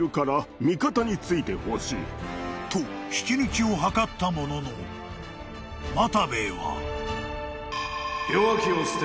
［と引き抜きをはかったものの又兵衛は］